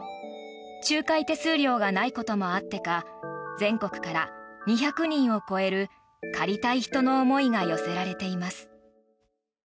仲介手数料がないこともあってか全国から２００人を超える借りたい人の思いが寄せられています。